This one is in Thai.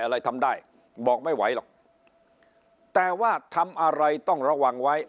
อะไรทำได้บอกไม่ไหวหรอกแต่ว่าทำอะไรต้องระวังไว้